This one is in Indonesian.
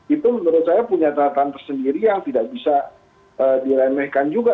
itu menurut saya punya tataan tersendiri yang tidak bisa diremehkan juga